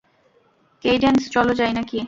Cadence, চলো যাই, নাকি?